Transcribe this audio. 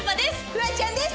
フワちゃんです。